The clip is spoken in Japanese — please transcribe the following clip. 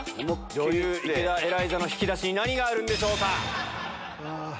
女優池田エライザの引き出しに何があるんでしょうか。